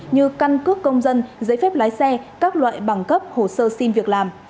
như căn cước công dân giấy phép lái xe các loại bằng cấp hồ sơ xin việc làm